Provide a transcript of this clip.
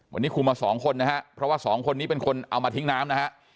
วันนี้คุมมาสองคนนะฮะเพราะว่าสองคนนี้เป็นคนเอามาทิ้งน้ำนะฮะ